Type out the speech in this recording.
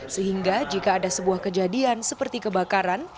sehingga jika ada sebuah kejadian seperti kebakaran